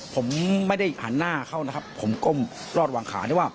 ผมไม่ได้หันหน้าเข้านะครับผมก้มรอดวางขาได้ว่า